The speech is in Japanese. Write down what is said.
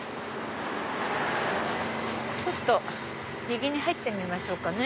ちょっと右に入ってみましょう。